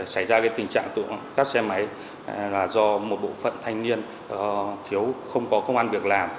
xảy ra cái tình trạng cắt xe máy là do một bộ phận thanh niên thiếu không có công an việc làm